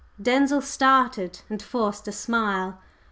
Denzil started and forced a smile.